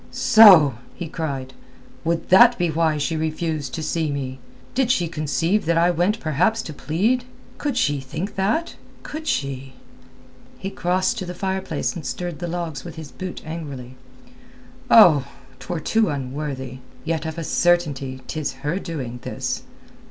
"So!" he cried. "Would that be why she refused to see me? Did she conceive that I went perhaps to plead? Could she think that? Could she?" He crossed to the fireplace and stirred the logs with his boot angrily. "Oh! 'Twere too unworthy. Yet of a certainty 'tis her doing, this."